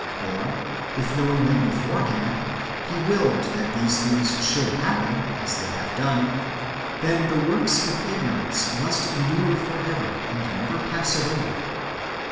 Or if, knowing them beforehand. He willed that these things should happen [as they have done], then the works of ignorance must endure for ever, and never pass away.